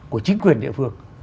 của chính quyền địa phương